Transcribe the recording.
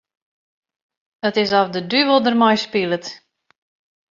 It is oft de duvel dermei spilet.